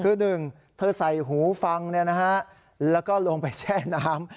คือนึงเธอใส่หูฟังเนี่ยนะฮะแล้วก็ลงไปแช่น้ำ